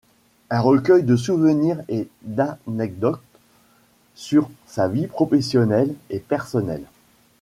Un recueil de souvenirs et d'anecdotes sur sa vie professionnelle et personnelle.